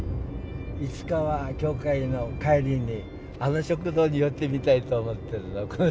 いつかは教会の帰りにあの食堂に寄ってみたいと思ってるの。